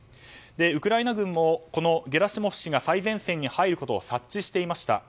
ウクライナ軍もこのゲラシモフ氏が最前線に入ることを察知していました。